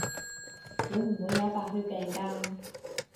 會唔會有白血病㗎？